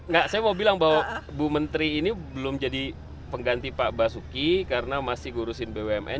enggak saya mau bilang bahwa bu menteri ini belum jadi pengganti pak basuki karena masih ngurusin bumn